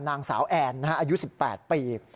นางสาวแอนอายุ๑๘ปี